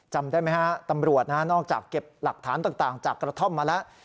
จำได้ไหมฮะตำรวจนะนอกจากเก็บหลักฐานต่างจากกระท่อมมาแล้ว